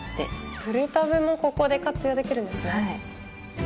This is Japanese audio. プルタブもここで活用できるんですね。